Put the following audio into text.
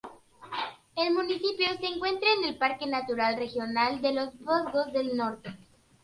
El municipio se encuentra en el Parque Natural Regional de los Vosgos del Norte.